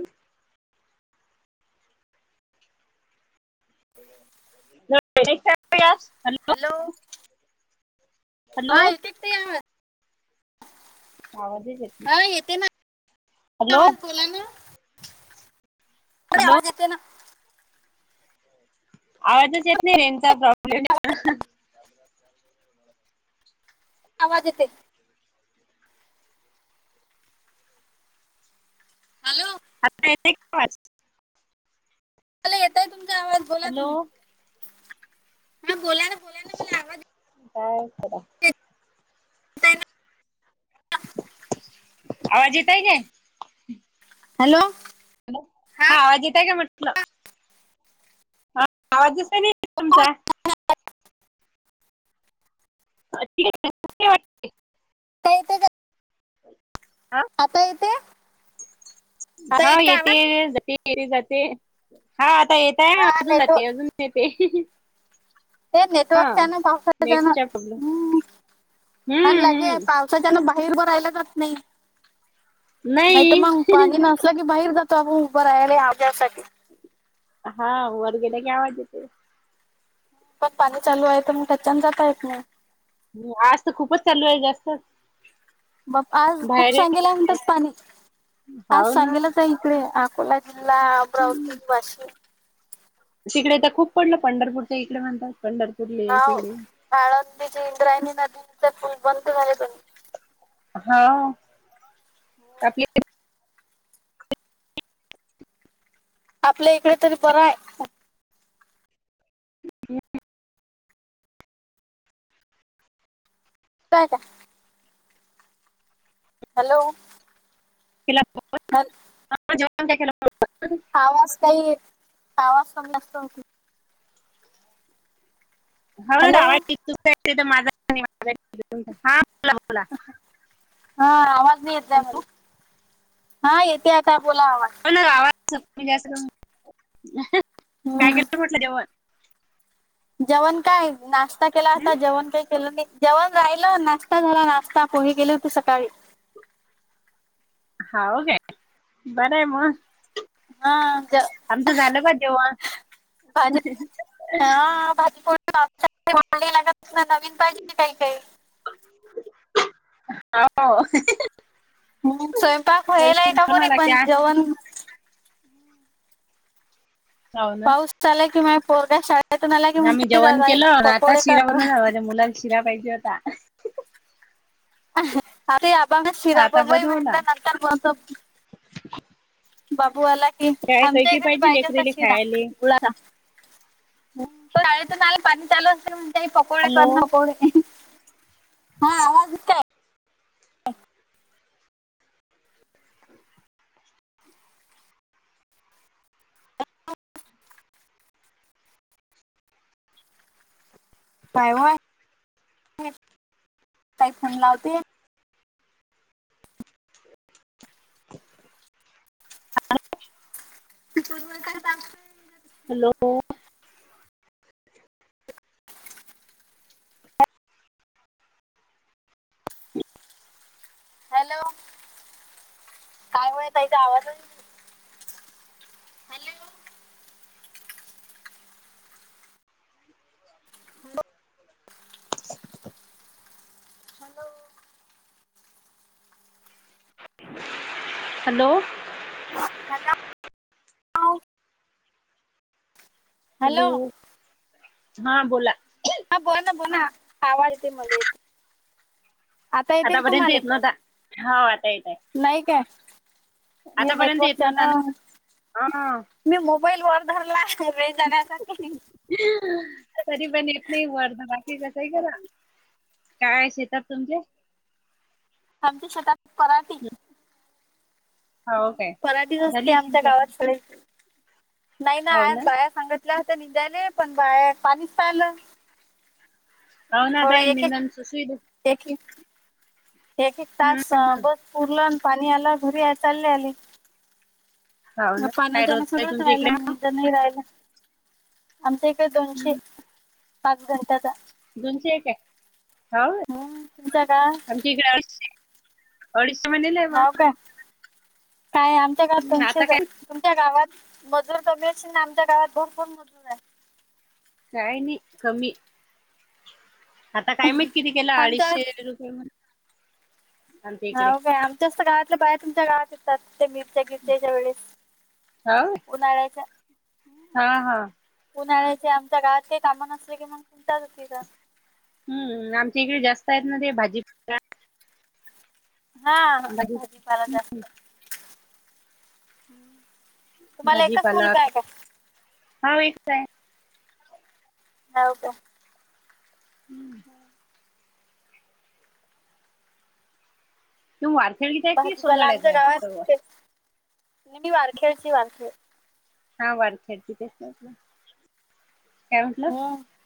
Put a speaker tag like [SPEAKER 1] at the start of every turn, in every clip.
[SPEAKER 1] [inaudible] [unintelligible]
[SPEAKER 2] Hello.
[SPEAKER 1] Hello
[SPEAKER 2] हा हिथ [unintelligible]
[SPEAKER 1] आवाजच ये
[SPEAKER 2] का येते ना, आवाज बोला ना,
[SPEAKER 1] हॅलो
[SPEAKER 2] आवाज येतो ना.
[SPEAKER 1] आवाजच येत नाही, रेनचा प्रॉब्लेम
[SPEAKER 2] आवाज येते. हॅलो.
[SPEAKER 1] आता येत का आवाज?
[SPEAKER 2] मला येतय तुमचा आवाज बोला
[SPEAKER 1] हॅलो
[SPEAKER 2] तुम्ही, हा बोला ना पुढे
[SPEAKER 1] काय करा
[SPEAKER 2] येत आहे ना
[SPEAKER 1] आवाज येतय काय?
[SPEAKER 2] हॅलो.
[SPEAKER 1] हा आवाज येतय काय म्हटलं? हा आवाजच नाही नाही
[SPEAKER 2] हो,
[SPEAKER 1] तुमचा [unintelligible] [unintelligible]
[SPEAKER 2] आता येते का
[SPEAKER 1] हा [unintelligible]
[SPEAKER 2] आता येतोय?
[SPEAKER 1] हा, येते
[SPEAKER 2] आवाज
[SPEAKER 1] जाते, येते जाते, हा आता येतय
[SPEAKER 2] हा
[SPEAKER 1] अजून जाते
[SPEAKER 2] नेटवर्क
[SPEAKER 1] अजून ते, ते
[SPEAKER 2] हे नेटवर्क काण पासा जण
[SPEAKER 1] नेटचा प्रॉब्लेम
[SPEAKER 2] हम् आणि
[SPEAKER 1] हम्म
[SPEAKER 2] लागे पा
[SPEAKER 1] हम्म
[SPEAKER 2] [unintelligible] ना बाहेर ब रायला जात नाही नाही तर मग पाणी न [unintelligible] अस की बाहेर जातो अ उभं राहिय आ्यासाठी [unintelligible]
[SPEAKER 1] हा वर गेल्या की, आवाज येत.
[SPEAKER 2] पण पाणी चालू आहे तर मग त्याच्न जाता येत नाही [unintelligible]
[SPEAKER 1] आज तर खूपच चालू आहे जास्त.
[SPEAKER 2] बा, आज खूप
[SPEAKER 1] बाहेर
[SPEAKER 2] सांगेला म्हणतात पाणी, आज
[SPEAKER 1] हाव ना
[SPEAKER 2] सांगेलच आहे इकडे अकोला ला ब्रऊसिंग वाशी [unintelligible]
[SPEAKER 1] तिकडे तर खूप पडलं पंढरपूरच्या इकडे म्हणतात. पंढर
[SPEAKER 2] हा आळंदीचे इंद्रायणी नदीचे पुल बंद झाले ते
[SPEAKER 1] हा, आपली
[SPEAKER 2] आपल्या इकडे तरी बरं हाय. काय का आहे [unintelligible] हॅलो.
[SPEAKER 1] केला फोर [unintelligible]
[SPEAKER 2] तर [unintelligible]
[SPEAKER 1] जोेल [unintelligible]
[SPEAKER 2] आवाज काही आवाज पण जास्त होती [unintelligible]
[SPEAKER 1] हो रा
[SPEAKER 2] हॅलो
[SPEAKER 1] वाट तु तर माझा [unintelligible]
[SPEAKER 2] हा आवाजने येते
[SPEAKER 1] हॅलो
[SPEAKER 2] मला [unintelligible] हा येते आता, बोला
[SPEAKER 1] गावा म्हणज काय
[SPEAKER 2] हम्म
[SPEAKER 1] केलं म्हटलं जवण [unintelligible]
[SPEAKER 2] जेवण काय, नाश्ता केला
[SPEAKER 1] हं?
[SPEAKER 2] होता. जेवण काय केलं नाही. जेवण राहिलं, नाश्ता झाला नाश्ता पोहे केले होते सकाळी.
[SPEAKER 1] हो काय, बरय म
[SPEAKER 2] हा ज
[SPEAKER 1] आमचं झालं बा जेवण.
[SPEAKER 2] भाजी हा भाजीली लागत नवीन पाहिजे [unintelligible]
[SPEAKER 1] हा [unintelligible]
[SPEAKER 2] स्वयंपाक व्हायला आहे का
[SPEAKER 1] बनवा
[SPEAKER 2] बरी
[SPEAKER 1] लागते
[SPEAKER 2] पण
[SPEAKER 1] आ.
[SPEAKER 2] जेवण
[SPEAKER 1] होव ना
[SPEAKER 2] चला की म पोरग
[SPEAKER 1] आम्ही जेवण केलं ना आता शिरा
[SPEAKER 2] करा.
[SPEAKER 1] बनून माझ्या मुलाला शिरा पाहिजे होता
[SPEAKER 2] आता शिरा
[SPEAKER 1] आता
[SPEAKER 2] बन
[SPEAKER 1] बनवला
[SPEAKER 2] म्हटल्या नंतर बतो बाबू आला कि
[SPEAKER 1] काय
[SPEAKER 2] आमच्याही
[SPEAKER 1] कैकी
[SPEAKER 2] घरी
[SPEAKER 1] पाहिजे
[SPEAKER 2] पाहिज
[SPEAKER 1] लेकरेले
[SPEAKER 2] तशी ना
[SPEAKER 1] खायले
[SPEAKER 2] गुळाला शाळेत नाही पाणी चालू असते म काही पकवडे
[SPEAKER 1] हॅलो
[SPEAKER 2] कर पकवडे हा आज काय काय होय काही फन लावते काय
[SPEAKER 1] हॅलो
[SPEAKER 2] हॅलो काय होय त इचा आवाज आहे हॅलो
[SPEAKER 1] हॅलो
[SPEAKER 2] हॅलो
[SPEAKER 1] हॅलो हा बोला
[SPEAKER 2] हा बो ना बो ना आवाड येते म येते आता येते का
[SPEAKER 1] आतापर्यंत
[SPEAKER 2] तुम्हाला
[SPEAKER 1] येत नव्हता हो आता येत आहे
[SPEAKER 2] नाही काय हे
[SPEAKER 1] आतापर्यंत
[SPEAKER 2] नेटवर्क
[SPEAKER 1] येत नव्हता
[SPEAKER 2] चॅनल
[SPEAKER 1] ना हा
[SPEAKER 2] मी मोबाईल वर धरला रेज जाण्यासाठी
[SPEAKER 1] तरी पण येत नाही वर धरा की कसं ही करा काय शेतात तुमचे
[SPEAKER 2] आमच्या शेतात पराठी
[SPEAKER 1] हो काय
[SPEAKER 2] पराठीच असते
[SPEAKER 1] झाली
[SPEAKER 2] आमच्या
[SPEAKER 1] सिंचन?
[SPEAKER 2] गावातकडे नाही ना आ बाया सांगात तं निदायले पण बाय पाणीच पालं
[SPEAKER 1] होन आतायईन
[SPEAKER 2] एक एक
[SPEAKER 1] निनन सुसु
[SPEAKER 2] एक एक एक एक तास
[SPEAKER 1] हो
[SPEAKER 2] बस पूर्ण पाणी आला घरी आहे चालले आली
[SPEAKER 1] ना
[SPEAKER 2] पाण
[SPEAKER 1] काय रोज
[SPEAKER 2] त्याना
[SPEAKER 1] आहे
[SPEAKER 2] रच
[SPEAKER 1] तुमच्या
[SPEAKER 2] राहिलं
[SPEAKER 1] इकडे
[SPEAKER 2] म तर नाही राहिलं आमच्या इकडे दोनशे पाच घंटाचा
[SPEAKER 1] दोनशे एक आहे
[SPEAKER 2] हम् तुमच्या का
[SPEAKER 1] तिकडे अडीचशे महिनेलावा
[SPEAKER 2] हाव काय? काय आमच्या काळात
[SPEAKER 1] आता
[SPEAKER 2] दनशेज
[SPEAKER 1] काय
[SPEAKER 2] आहे तुमच्या गावात मजूर तर मिळच ना आमच्या गावात भरपण मजूर आहे
[SPEAKER 1] काय नाही कमी आता काय माहीत किती केलं
[SPEAKER 2] आमच्या
[SPEAKER 1] अडीचशे रुपये म्ह
[SPEAKER 2] ह का आमच्यास्त गावातलं पाय तुमच्या गाात ते मिरच्या घिरच्याच्या वेळेस
[SPEAKER 1] हो
[SPEAKER 2] उन्हाळ्याच्या
[SPEAKER 1] हा हा
[SPEAKER 2] उन्हाळ्याचे आमच्या गावात काही कामं नसले की मग कोणताच हो तिथं
[SPEAKER 1] हम्म आमच्या इकडे जास्त आहेत ना ते भाजी
[SPEAKER 2] हा भाजी फला जास्त्
[SPEAKER 1] भाजीपालाक हा वे आहे
[SPEAKER 2] हो का
[SPEAKER 1] तुम्ही वारखेडगीच आहे की
[SPEAKER 2] भाजीपाला
[SPEAKER 1] सोंदड्याचा
[SPEAKER 2] आमच्या
[SPEAKER 1] आहे
[SPEAKER 2] गाव
[SPEAKER 1] सर्व
[SPEAKER 2] मी वारखेडची वारखेड
[SPEAKER 1] हा वारख्याडची तेचलं काय म्हटलं
[SPEAKER 2] हम्म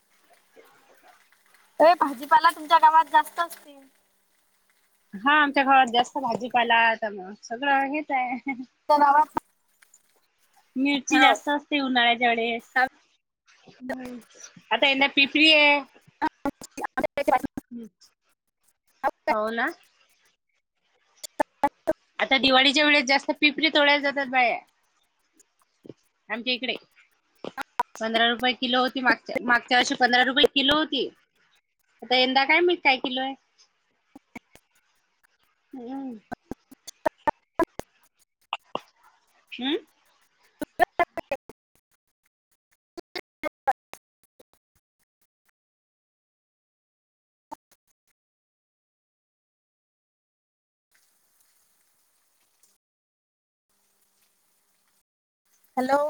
[SPEAKER 2] अ भाजीपाला तुमच्या गावात जास्त असतील
[SPEAKER 1] हा आमच्या घावात जास्त
[SPEAKER 2] आमच्या
[SPEAKER 1] भाजीपालात सगळं हेच आहे
[SPEAKER 2] तर नावा
[SPEAKER 1] मिरची जास्त उन्हाळ्याच्या वेळेस आता यांना पिपरी आहे हो ना
[SPEAKER 2] ह
[SPEAKER 1] आता दिवाळीच्या वेळेस जास्त पिपरी तोडायला जातात बाया्या आमच्या इकडे पंधरा रुपये किलो होती मागच्या मागच्या वर्षी पंधरा रुपये किलो होती आता यंदा काय मीठ काय किलोय हम् क
[SPEAKER 2] हॅलो